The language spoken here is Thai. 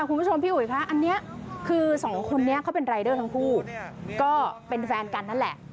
คุณผู้ชมพี่อุ๋ยคะอันนี้คือสองคนนี้เขาเป็นรายเดอร์ทั้งคู่ก็เป็นแฟนกันนั่นแหละ